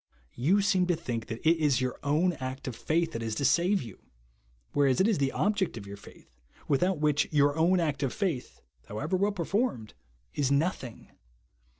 You seem to think that it is your ov>'d act of faith that is to save you ; whereas it is the object of your faith, Avithout which your own act of faith, how^ever well per formed, is nothing.